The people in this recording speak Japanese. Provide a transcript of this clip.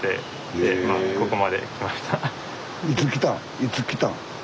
いつ来たん？